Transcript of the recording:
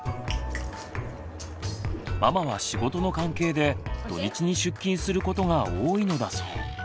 ママは仕事の関係で土日に出勤することが多いのだそう。